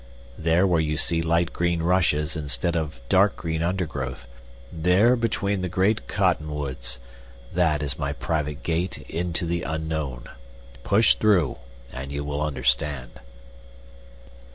There where you see light green rushes instead of dark green undergrowth, there between the great cotton woods, that is my private gate into the unknown. Push through, and you will understand."